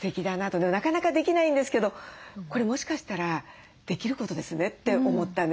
でもなかなかできないんですけどこれもしかしたらできることですねって思ったんです。